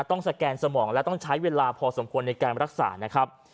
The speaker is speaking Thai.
สแกนสมองและต้องใช้เวลาพอสมควรในการรักษานะครับ